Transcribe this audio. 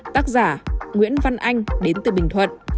tác giả nguyễn văn anh đến từ bình thuận